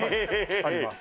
「あります」